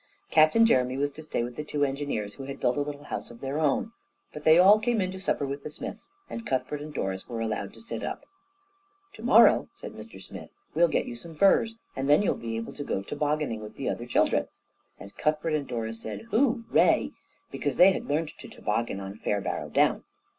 Captain Jeremy was to stay with the two engineers, who had built a little house of their own, but they all came in to supper with the Smiths, and Cuthbert and Doris were allowed to sit up. "To morrow," said Mr Smith, "we'll get you some furs, and then you'll be able to go tobogganing with the other children," and Cuthbert and Doris said "Hooray!" because they had learned to toboggan on Fairbarrow Down.